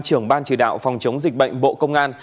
trưởng ban chỉ đạo phòng chống dịch bệnh bộ công an